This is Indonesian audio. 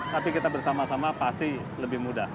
tapi kita bersama sama pasti lebih mudah